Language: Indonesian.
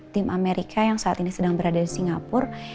tim amerika yang saat ini sedang berada di singapura